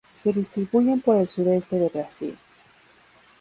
Se distribuyen por el sudeste de Brasil.